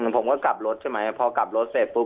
ผมก็กลับรถใช่ไหมพอกลับรถเสร็จปุ๊บ